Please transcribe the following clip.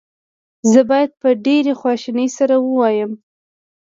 زه باید په ډېرې خواشینۍ سره ووایم.